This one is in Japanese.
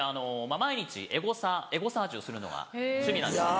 毎日エゴサエゴサーチをするのが趣味なんです。